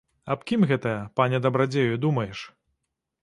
Аб кім гэта, пане дабрадзею, думаеш?